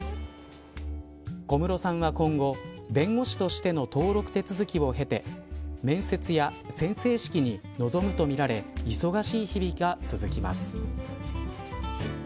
小室さんは今後弁護士としての登録手続きを経て面接や宣誓式に臨むとみられ忙しい日々が続きます。